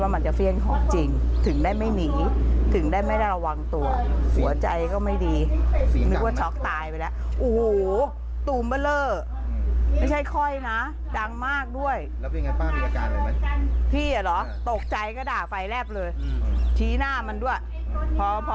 มากด้วยพี่หรอตกใจก็ด่าไฟแร็บเลยชี้หน้ามันด้วยพอพอ